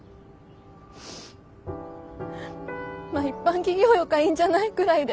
まっ一般企業よかいいんじゃない？くらいで。